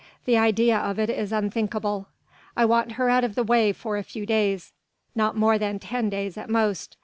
The idea of it is unthinkable. I want her out of the way for a few days, not more than ten days at most.